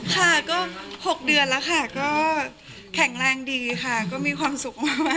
ค่ะก็๖เดือนแล้วค่ะก็แข็งแรงดีค่ะก็มีความสุขมาก